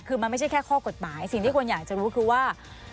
คือมันไม่ใช่แค่ข้อกฎหมายสิ่งที่คนอยากจะรู้คือว่า